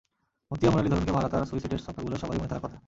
মুত্তিয়া মুরালিধরনকে মারা তার সুইচ হিটের ছক্কাগুলো সবারই মনে থাকার কথা।